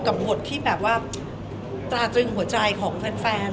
กับหมดที่แบบว่าตาจึงหัวใจของแฟน